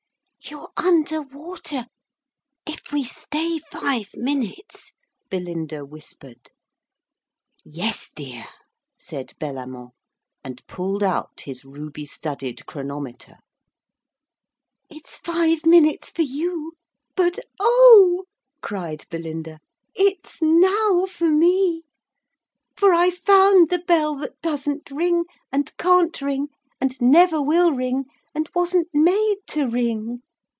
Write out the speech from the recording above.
'You're under water if we stay five minutes,' Belinda whispered. 'Yes, dear,' said Bellamant, and pulled out his ruby studded chronometer. 'It's five minutes for you, but oh!' cried Belinda, 'it's now for me. For I've found the bell that doesn't ring, and can't ring, and never will ring, and wasn't made to ring.